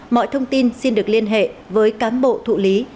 mọi thông tin xin được liên hệ với cán bộ thụ lý